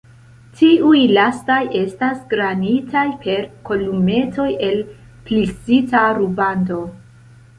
Tiuj lastaj estas garnitaj per kolumetoj el plisita rubando.